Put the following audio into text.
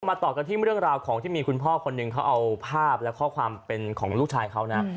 ต่อกันที่เรื่องราวของที่มีคุณพ่อคนหนึ่งเขาเอาภาพและข้อความเป็นของลูกชายเขานะ